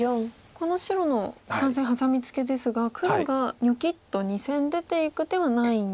この白の３線ハサミツケですが黒がニョキッと２線出ていく手はないんですね？